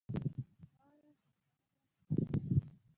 خورا خوشاله سوم.